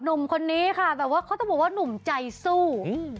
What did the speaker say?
นุมคนนี้ค่ะเขาต้องบอกว่านุมใจสู้